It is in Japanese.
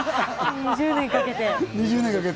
２０年かけて。